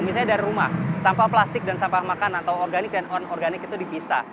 misalnya dari rumah sampah plastik dan sampah makanan atau organik dan organik itu dipisah